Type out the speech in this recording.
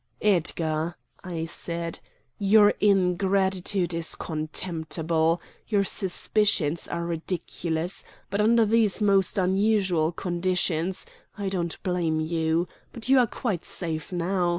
"Edgar," I said, "your ingratitude is contemptible. Your suspicions are ridiculous; but, under these most unusual conditions, I don't blame you. But we are quite safe now.